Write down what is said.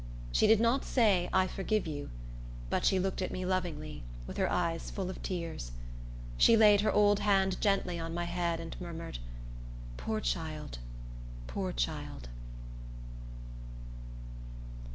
She did not say, "I forgive you;" but she looked at me lovingly, with her eyes full of tears. She laid her old hand gently on my head, and murmured, "Poor child! Poor child!"